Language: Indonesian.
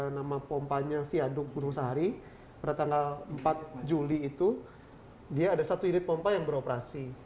nama pompanya viaduk gunung sahari pada tanggal empat juli itu dia ada satu unit pompa yang beroperasi